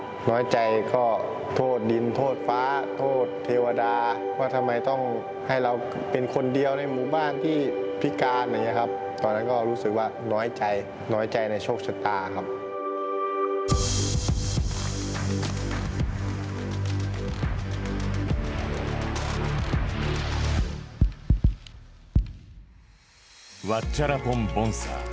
ワッチャラポン・ボンサー。